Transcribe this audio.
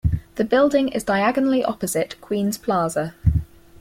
The building is diagonally opposite QueensPlaza.